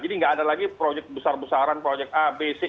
jadi nggak ada lagi proyek besar besaran proyek a b c